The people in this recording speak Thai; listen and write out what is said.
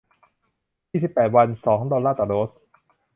ยี่สิบแปด วัน สอง ดอลลาร์ต่อโดส